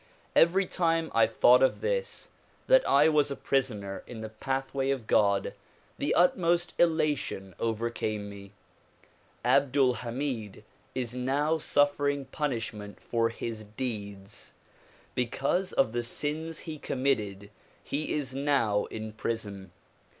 Every time I thought of this, that I was a prisoner in the pathway of God, the utmost elation overcame me. Abdul Hamid is now suffering punishment for his deeds. Because of the sins he committed he is now in prison.